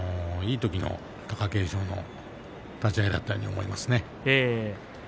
いいときの貴景勝の立ち合いだったと思います。